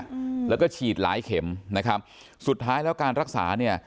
อืมแล้วก็ฉีดหลายเข็มนะครับสุดท้ายแล้วการรักษาเนี่ย